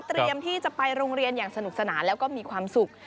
ที่จะไปโรงเรียนอย่างสนุกสนานแล้วก็มีความสุข